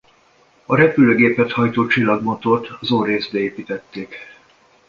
A repülőgépet hajtó csillagmotort az orr-részbe építették.